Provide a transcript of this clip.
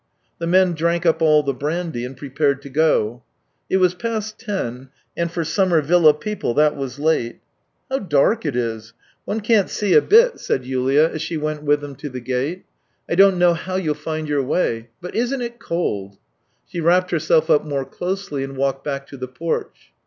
The men drank up all the brandy, and prepared to go. It was past ten, and for summer villa people that was late. " How dark it is ! One can't see a bit," said 278 THE TALES OF TCHEHOV Yulia, as she went with them to the gate. " 1 don't know how you'll find your way. But, isn't it cold ?" She wrapped herself up more closely and walked back to the porch.